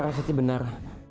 lara sati benar